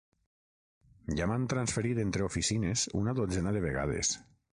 Ja m'han transferit entre oficines una dotzena de vegades.